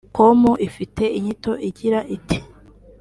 com ifite inyito igira iti